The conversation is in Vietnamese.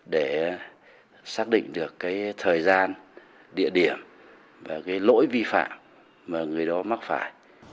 để xác định được thời gian địa điểm và lỗi vi phạm mà người đó mắc phải